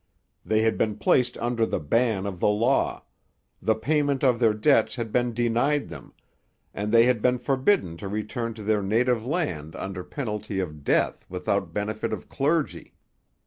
They had been placed under the ban of the law: the payment of their debts had been denied them; and they had been forbidden to return to their native land under penalty of death without benefit of clergy.